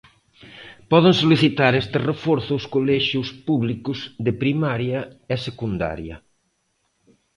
Poden solicitar este reforzo os colexios públicos de primaria e secundaria.